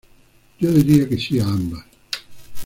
Yo diría que sí a ambas".